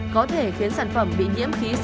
có thể khiến sản phẩm bị nhiễm khí co hai